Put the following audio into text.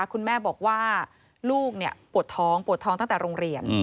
คุณแม่บอกว่าลูกปวดท้องปวดท้องตั้งแต่โรงเรียน